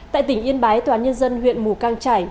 tại tỉnh yên bái tòa nhân dân huyện mù căng trải